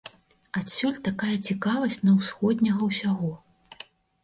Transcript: Адсюль такая цікавасць на усходняга ўсяго.